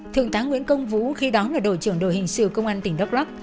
thượng tá nguyễn công vũ khi đó là đội trưởng đội hình sự công an tỉnh đắk lắc